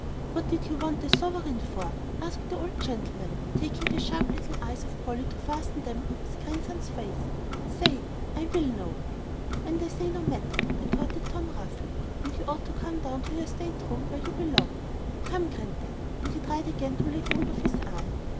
"What did you want a sovereign for?" asked the old gentleman, querulously, taking his sharp little eyes off Polly to fasten them on his grandson's face. "Say, I will know." "And I say no matter," retorted Tom, roughly. "And you ought to come down to your state room where you belong. Come, Granddad!" And he tried again to lay hold of his arm.